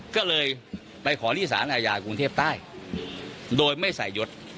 ก็เลยไปขอที่ศาลอาญาธุรกิจกลางกรุงเทพฯใต้